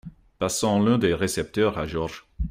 Passant l’un des récepteurs à Georges.